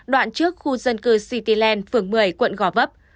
đoạn trước khu dân cư cityland phường một mươi quận gò vấp